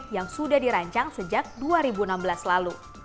yang sudah dirancang sejak dua ribu enam belas lalu